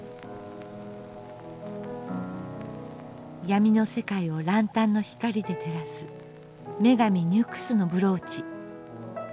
闇の世界を角灯の光で照らす女神ニュクスのブローチ。